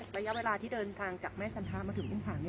ระยะเวลาที่เดินทางจากแม่ชันท้ามาถึงอุ้มภาค